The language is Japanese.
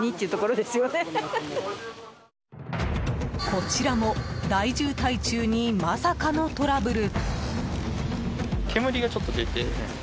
こちらも大渋滞中にまさかのトラブル。